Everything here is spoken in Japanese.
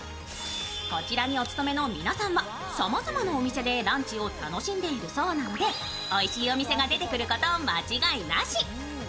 こちらにお勤めの皆さんはさまざまなお店でランチを楽しんでいるそうなんでおいしいお店が出てくること間違いなし。